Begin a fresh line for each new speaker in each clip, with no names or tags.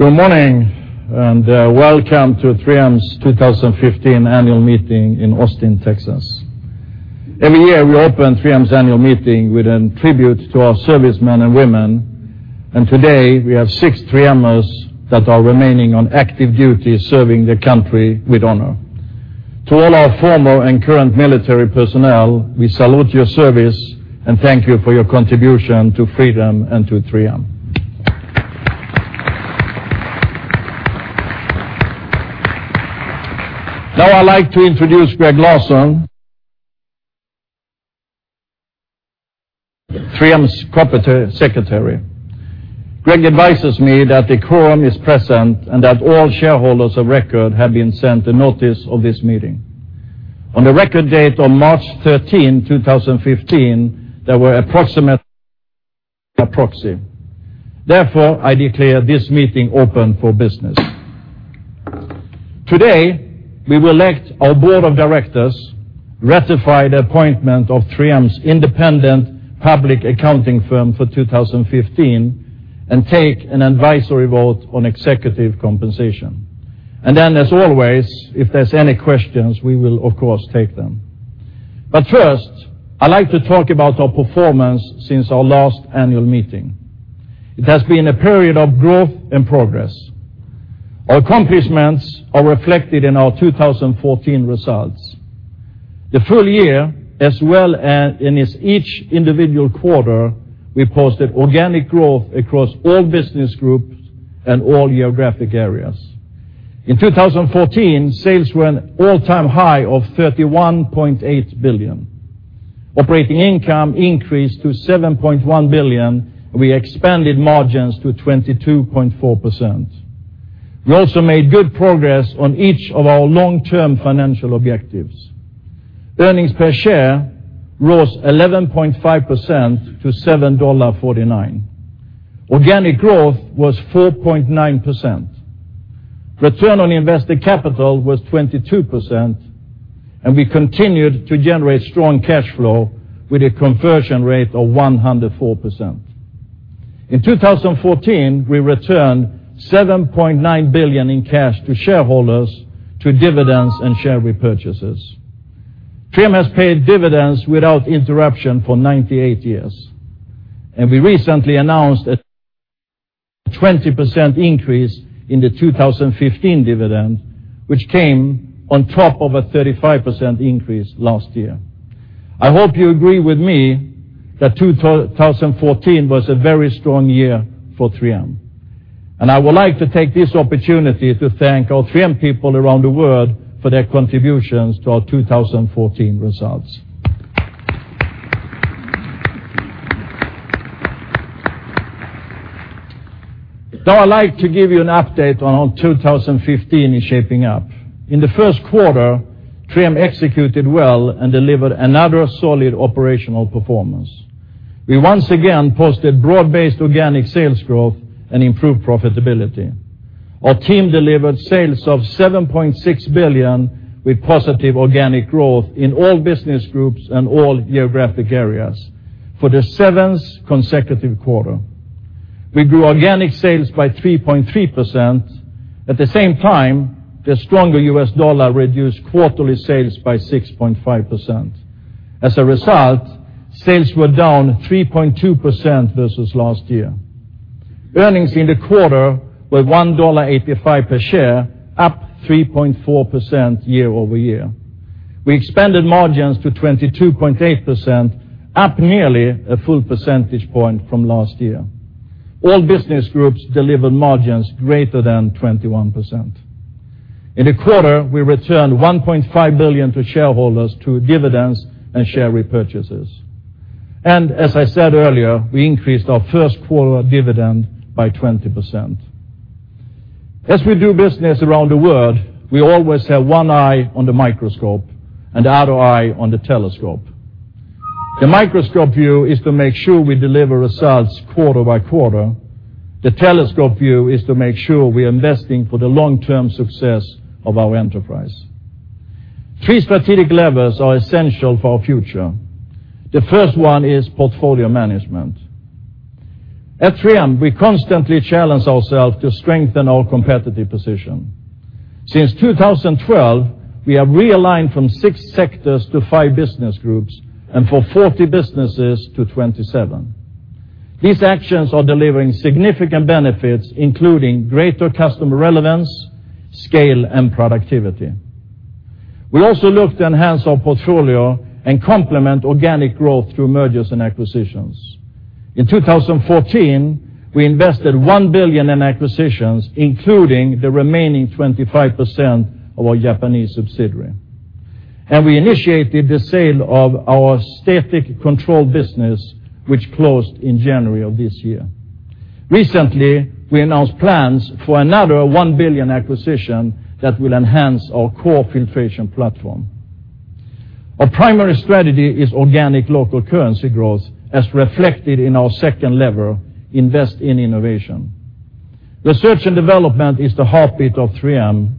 Good morning, welcome to 3M's 2015 annual meeting in Austin, Texas. Every year, we open 3M's annual meeting with a tribute to our servicemen and women, and today we have six 3Mers that are remaining on active duty, serving the country with honor. To all our former and current military personnel, we salute your service, and thank you for your contribution to freedom and to 3M. I'd like to introduce Gregg Larson, 3M's corporate secretary. Gregg advises me that a quorum is present and that all shareholders of record have been sent a notice of this meeting. On the record date of March 13, 2015, there were approximately a proxy]. I declare this meeting open for business. Today, we will elect our board of directors, ratify the appointment of 3M's independent public accounting firm for 2015, and take an advisory vote on executive compensation. As always, if there's any questions, we will of course take them. First, I'd like to talk about our performance since our last annual meeting. It has been a period of growth and progress. Our accomplishments are reflected in our 2014 results. The full year, as well as in its each individual quarter, we posted organic growth across all business groups and all geographic areas. In 2014, sales were an all-time high of $31.8 billion. Operating income increased to $7.1 billion, and we expanded margins to 22.4%. We also made good progress on each of our long-term financial objectives. Earnings per share rose 11.5% to $7.49. Organic growth was 4.9%. Return on invested capital was 22%, and we continued to generate strong cash flow with a conversion rate of 104%. In 2014, we returned $7.9 billion in cash to shareholders through dividends and share repurchases. 3M has paid dividends without interruption for 98 years, and we recently announced a 20% increase in the 2015 dividend, which came on top of a 35% increase last year. I hope you agree with me that 2014 was a very strong year for 3M, and I would like to take this opportunity to thank all 3M people around the world for their contributions to our 2014 results. I'd like to give you an update on how 2015 is shaping up. In the first quarter, 3M executed well and delivered another solid operational performance. We once again posted broad-based organic sales growth and improved profitability. Our team delivered sales of $7.6 billion, with positive organic growth in all business groups and all geographic areas for the seventh consecutive quarter. We grew organic sales by 3.3%. At the same time, the stronger U.S. dollar reduced quarterly sales by 6.5%. Sales were down 3.2% versus last year. Earnings in the quarter were $1.85 per share, up 3.4% year-over-year. We expanded margins to 22.8%, up nearly a full percentage point from last year. All business groups delivered margins greater than 21%. In the quarter, we returned $1.5 billion to shareholders through dividends and share repurchases. As I said earlier, we increased our first quarter dividend by 20%. As we do business around the world, we always have one eye on the microscope and the other eye on the telescope. The microscope view is to make sure we deliver results quarter by quarter. The telescope view is to make sure we are investing for the long-term success of our enterprise. Three strategic levers are essential for our future. The first one is portfolio management. At 3M, we constantly challenge ourselves to strengthen our competitive position. Since 2012, we have realigned from 6 sectors to 5 business groups and from 40 businesses to 27. These actions are delivering significant benefits, including greater customer relevance, scale, and productivity. We also look to enhance our portfolio and complement organic growth through mergers and acquisitions. In 2014, we invested $1 billion in acquisitions, including the remaining 25% of our Japanese subsidiary, and we initiated the sale of our static control business, which closed in January of this year. Recently, we announced plans for another $1 billion acquisition that will enhance our core filtration platform. Our primary strategy is organic local currency growth, as reflected in our second lever, invest in innovation. The research and development is the heartbeat of 3M.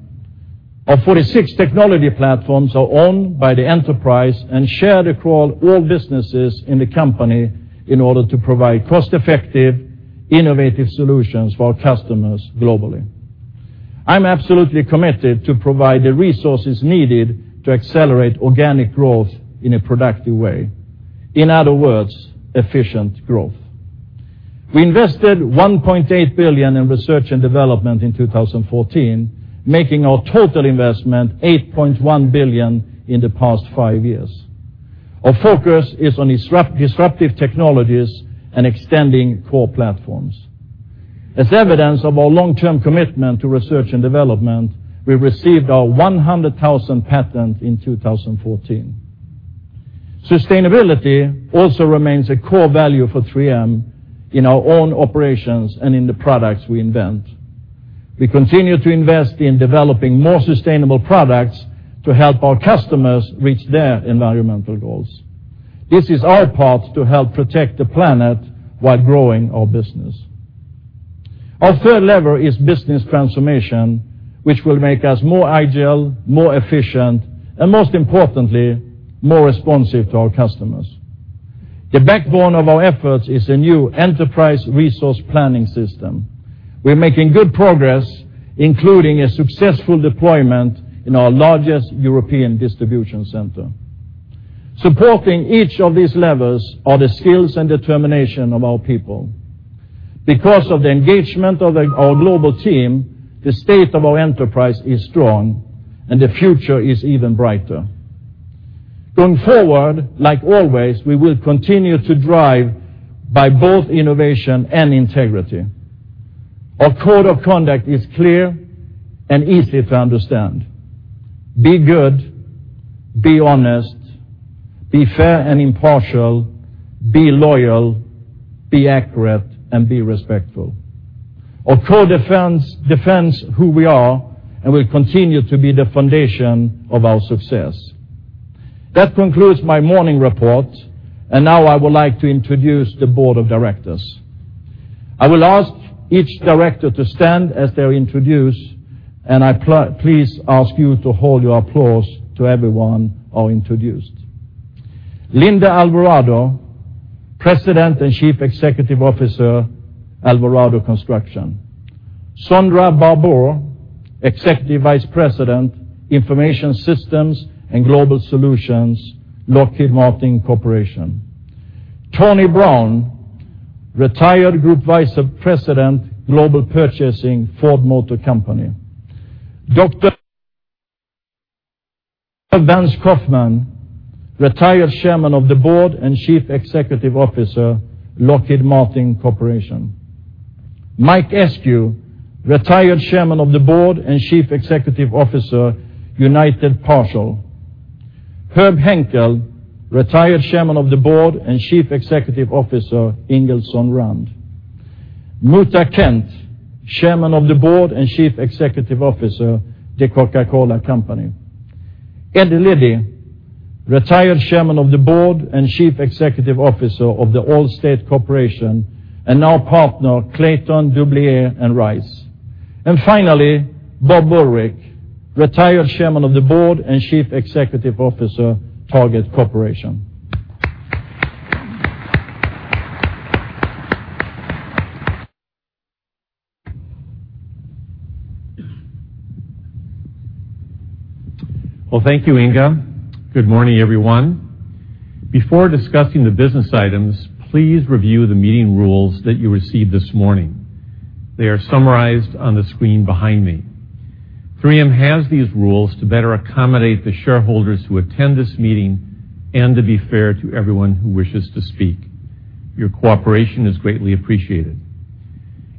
Our 46 technology platforms are owned by the enterprise and shared across all businesses in the company in order to provide cost-effective, innovative solutions for our customers globally. I'm absolutely committed to provide the resources needed to accelerate organic growth in a productive way. In other words, efficient growth. We invested $1.8 billion in research and development in 2014, making our total investment $8.1 billion in the past five years. Our focus is on disruptive technologies and extending core platforms. As evidence of our long-term commitment to research and development, we received our 100,000th patent in 2014. Sustainability also remains a core value for 3M in our own operations and in the products we invent. We continue to invest in developing more sustainable products to help our customers reach their environmental goals. This is our part to help protect the planet while growing our business. Our third lever is business transformation, which will make us more agile, more efficient, and most importantly, more responsive to our customers. The backbone of our efforts is a new enterprise resource planning system. We're making good progress, including a successful deployment in our largest European distribution center. Supporting each of these levers are the skills and determination of our people. Because of the engagement of our global team, the state of our enterprise is strong, and the future is even brighter. Going forward, like always, we will continue to drive by both innovation and integrity. Our code of conduct is clear and easy to understand. Be good, be honest, be fair and impartial, be loyal, be accurate, and be respectful. Our code defends who we are and will continue to be the foundation of our success. That concludes my morning report, and now I would like to introduce the board of directors. I will ask each director to stand as they're introduced, I please ask you to hold your applause till everyone are introduced. Linda Alvarado, President and Chief Executive Officer, Alvarado Construction. Sondra Barbour, Executive Vice President, Information Systems and Global Solutions, Lockheed Martin Corporation. Tony Brown, retired Group Vice President, Global Purchasing, Ford Motor Company. Dr. Vance Coffman, retired Chairman of the Board and Chief Executive Officer, Lockheed Martin Corporation. Mike Eskew, retired Chairman of the Board and Chief Executive Officer, United Parcel. Herb Henkel, retired Chairman of the Board and Chief Executive Officer, Ingersoll Rand. Muhtar Kent, Chairman of the Board and Chief Executive Officer, The Coca-Cola Company. Ed Liddy, retired Chairman of the Board and Chief Executive Officer of The Allstate Corporation, and now partner, Clayton, Dubilier & Rice. Finally, Bob Ulrich, retired Chairman of the Board and Chief Executive Officer, Target Corporation.
Well, thank you, Inge. Good morning, everyone. Before discussing the business items, please review the meeting rules that you received this morning. They are summarized on the screen behind me. 3M has these rules to better accommodate the shareholders who attend this meeting and to be fair to everyone who wishes to speak. Your cooperation is greatly appreciated.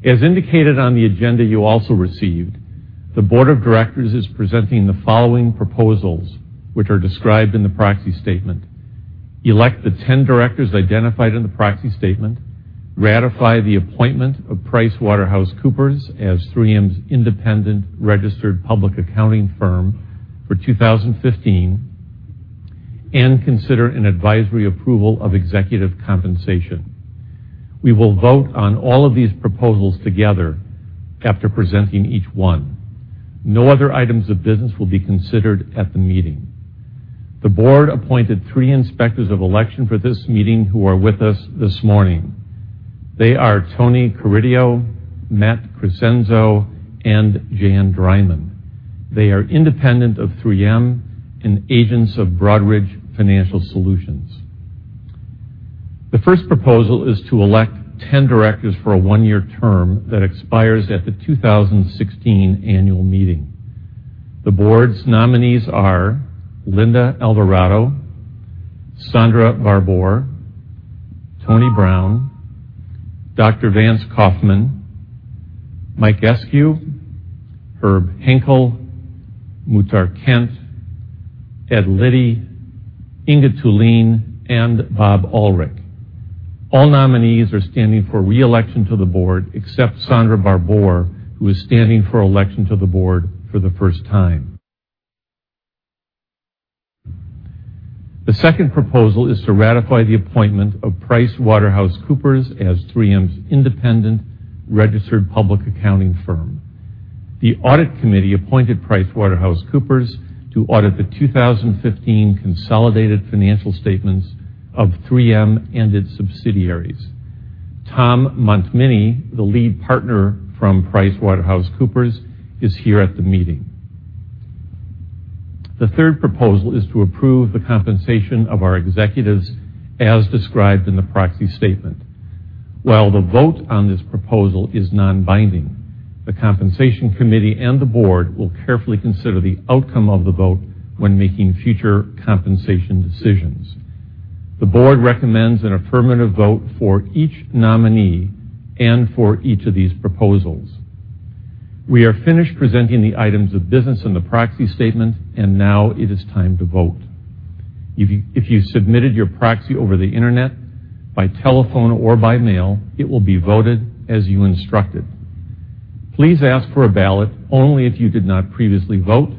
As indicated on the agenda you also received, the board of directors is presenting the following proposals, which are described in the proxy statement. Elect the 10 directors identified in the proxy statement, ratify the appointment of PricewaterhouseCoopers as 3M's independent registered public accounting firm for 2015, and consider an advisory approval of executive compensation. We will vote on all of these proposals together after presenting each one. No other items of business will be considered at the meeting. The board appointed three inspectors of election for this meeting who are with us this morning. They are Tony Corridio, Matt Criscenzo, and Jan Dreiman. They are independent of 3M and agents of Broadridge Financial Solutions. The first proposal is to elect 10 directors for a one-year term that expires at the 2016 annual meeting. The board's nominees are Linda Alvarado, Sondra Barbour, Tony Brown, Dr. Vance Coffman, Mike Eskew, Herb Henkel, Muhtar Kent, Ed Liddy, Inge Thulin, and Bob Ulrich. All nominees are standing for re-election to the board, except Sondra Barbour, who is standing for election to the board for the first time. The second proposal is to ratify the appointment of PricewaterhouseCoopers as 3M's independent registered public accounting firm. The audit committee appointed PricewaterhouseCoopers to audit the 2015 consolidated financial statements of 3M and its subsidiaries. Tom Montminy, the lead partner from PricewaterhouseCoopers, is here at the meeting. The third proposal is to approve the compensation of our executives as described in the proxy statement. While the vote on this proposal is non-binding, the compensation committee and the board will carefully consider the outcome of the vote when making future compensation decisions. The board recommends an affirmative vote for each nominee and for each of these proposals. We are finished presenting the items of business in the proxy statement, and now it is time to vote. If you submitted your proxy over the internet, by telephone or by mail, it will be voted as you instructed. Please ask for a ballot only if you did not previously vote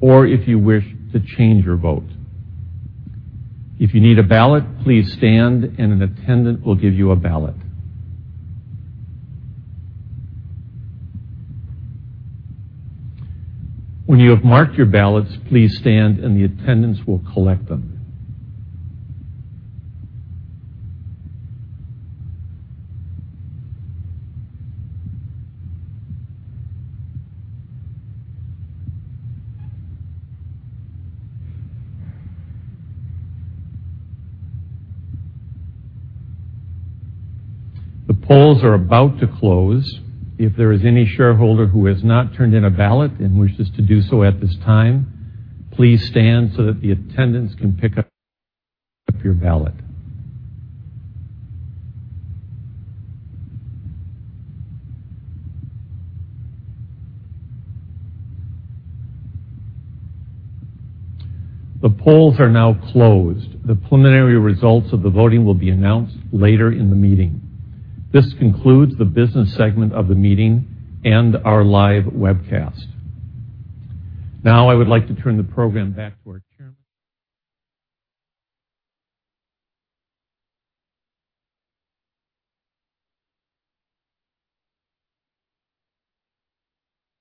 or if you wish to change your vote. If you need a ballot, please stand and an attendant will give you a ballot. When you have marked your ballots, please stand and the attendants will collect them. The polls are about to close. If there is any shareholder who has not turned in a ballot and wishes to do so at this time, please stand so that the attendants can pick up your ballot. The polls are now closed. The preliminary results of the voting will be announced later in the meeting. This concludes the business segment of the meeting and our live webcast. Now I would like to turn the program back to our chairman.